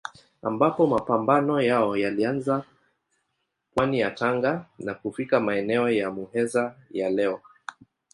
Ambapo mapambano yao yalianza pwani ya Tanga na kufika maeneo ya Muheza ya leo.